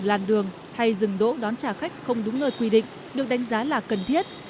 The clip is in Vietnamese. làn đường hay dừng đỗ đón trả khách không đúng nơi quy định được đánh giá là cần thiết